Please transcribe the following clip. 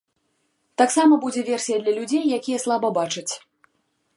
Таксама будзе версія для людзей, якія слаба бачаць.